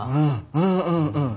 うんうんうん。